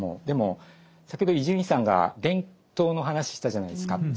でも先ほど伊集院さんが電灯の話したじゃないですか。